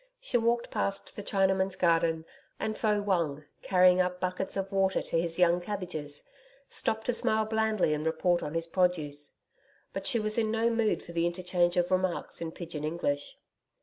She walked past the Chinamen's garden and Fo Wung, carrying up buckets of water to his young cabbages, stopped to smile blandly and report on his produce. But she was in no mood for the interchange of remarks in pidgin English.